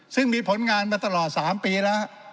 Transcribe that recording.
ซึ่งมีผลงานมาตลอด๓ปีแล้ว